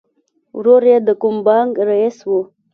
ورور یې د کوم بانک رئیس و